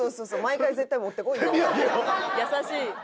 優しい。